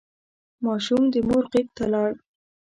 ماشوم د مور غېږ ته لاړ.